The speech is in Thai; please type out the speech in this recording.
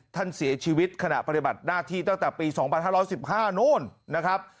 ท่านเสียชีวิตขณะปฏิบัติหน้าที่ตั้งแต่ปี๒๕๑๕นู่นนะครับ